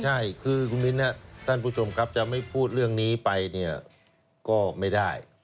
ใช่คือคุณมิ้นท่านผู้ชมครับจะไม่พูดเรื่องนี้ไปเนี่ยก็ไม่ได้